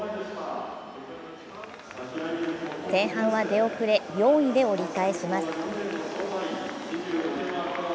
前半は出遅れ４位で折り返します。